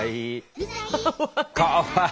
かわいい。